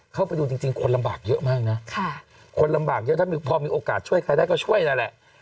เข้าไปดูจริงคนลำบากเยอะมากนะคนลำบากเยอะถ้าพอมีโอกาสช่วยใครได้ก็ช่วยนั่นแหละ